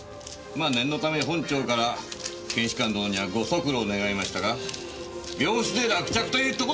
まあ念のため本庁から検視官殿にはご足労願いましたが病死で落着というとこでしょうなぁ。